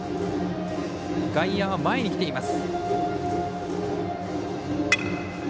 外野は前に来ています。